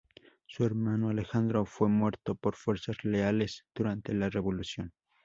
Su hermano Alejandro fue muerto por fuerzas leales durante la revolución.